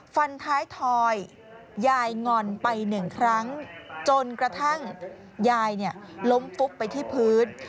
ฟันท้ายทอยยายงอนไปหนึ่งครั้งจนกระทั่งยายเนี่ยล้มฟุบไปที่พื้น